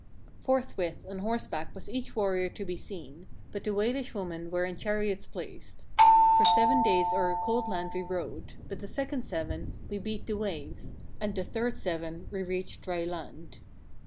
34. Forthwith on horseback was each warrior to be seen; but the Walish women were in chariots placed. For seven days o'er a cold land we rode; but the second seven, we beat the waves; and the third seven, we reached dry land.